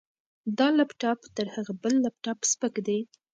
دا لپټاپ تر هغه بل لپټاپ سپک دی.